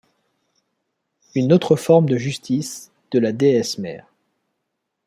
Une autre forme de justice de la Déesse Mère.